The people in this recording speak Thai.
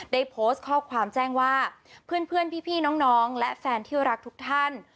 ได้โพสต์ข้อความแจ้งว่าเพื่อนพี่น้องและแฟนที่รักทุกท่าน